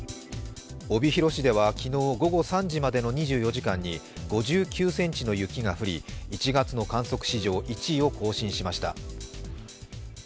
帯広市では昨日午後３時までの２４時間に５９ｃｍの雪が降り１月の観測史上１位を更新しました。